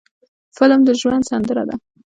فلم د ژوند سندره ده